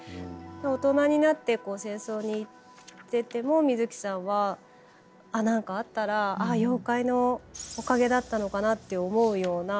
大人になって戦争に行ってても水木さんは何かあったらあっ妖怪のおかげだったのかなって思うような。